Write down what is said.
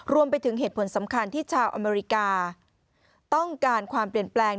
รวมไปถึงเหตุผลสำคัญที่ชาวอเมริกาต้องการความเปลี่ยนแปลง